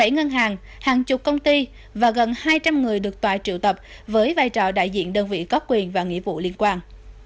bảy ngân hàng hàng chục công ty và gần hai trăm linh người được tòa triệu tập với vai trò đại diện đơn vị có quyền và nghĩa vụ liên quan